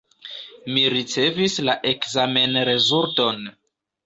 Mi ricevis la ekzamenrezulton.